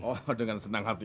oh dengan senang hati